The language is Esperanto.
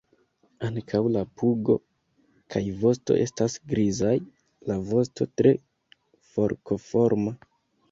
Ankaŭ la pugo kaj vosto estas grizaj; la vosto tre forkoforma.